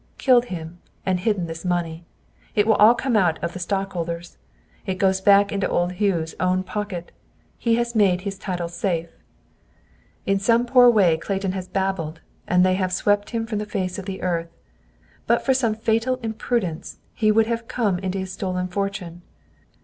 Killed him, and hidden this money. It will all come out of the stockholders. It goes back into old Hugh's own pocket. He has made his title safe! "In some way poor Clayton has babbled, and they have swept him from the face of the earth. But for some fatal imprudence, he would have come into his stolen fortune.